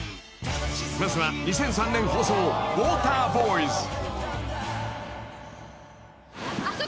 ［まずは２００３年放送『ウォーターボーイズ』］あそこで子供が溺れてます！